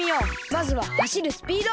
まずははしるスピード！